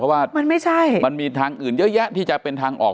เพราะว่ามันไม่ใช่มันมีทางอื่นเยอะแยะที่จะเป็นทางออก